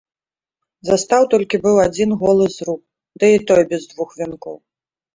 Застаў толькі быў адзін голы зруб, ды і той без двух вянкоў.